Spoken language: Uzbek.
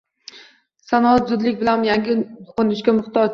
Sanoat zudlik bilan yangi qo'nishga muhtoj